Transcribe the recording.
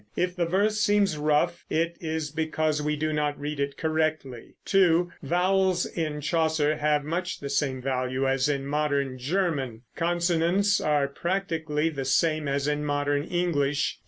If the verse seems rough, it is because we do not read it correctly. (2) Vowels in Chaucer have much the same value as in modern German; consonants are practically the same as in modern English.